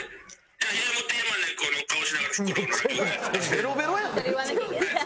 ベロベロやん。